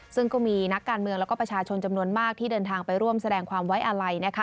ซึ่งก็มีนักการเมืองแล้วก็ประชาชนจำนวนมากที่เดินทางไปร่วมแสดงความไว้อาลัย